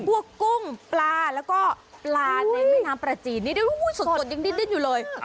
กุ้งปลาแล้วก็ปลาในแม่น้ำปลาจีนนี่สดยังดิ้นอยู่เลย